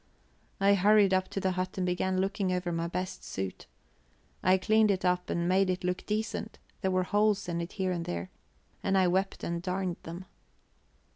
I hurried up to the hut and began looking over my best suit. I cleaned it up and made it look decent; there were holes in it here and there, and I wept and darned them.